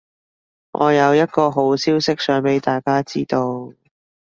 我有一個好消息想畀大家知道